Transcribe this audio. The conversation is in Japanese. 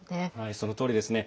そのとおりですね。